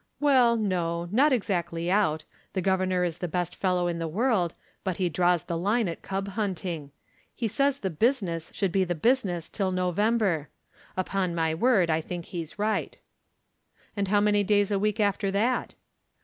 "Well, no; not exactly out. The governor is the best fellow in the world, but he draws the line at cub hunting. He says the business should be the business till November. Upon my word, I think he's right." "And how many days a week after that?"